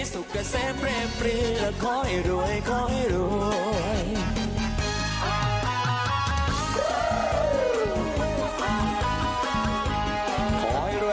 สุขเซฟเรียบรีและขอให้รวยขอให้รวย